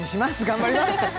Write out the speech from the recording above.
頑張ります